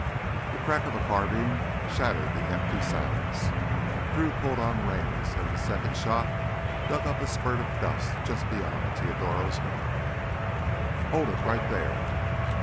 The crack of a carbine shattered the empty silence. Drew pulled on reins as a second shot dug up a spurt of dust just beyond Teodoro's mount. "Hold it! Right there."